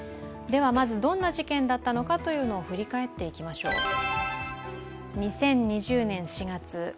ではまずどんな事件だったのかというのを振り返っていきます。